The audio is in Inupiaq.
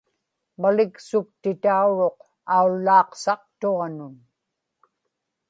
maliksuktitauruq aullaaqsaqtuanun